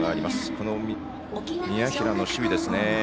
この宮平の守備ですね。